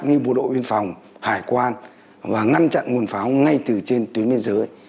như bộ đội biên phòng hải quan và ngăn chặn nguồn pháo ngay từ trên tuyến biên giới